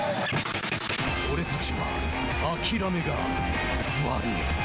俺たちは諦めが悪い。